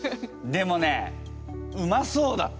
でもねうまそうだった。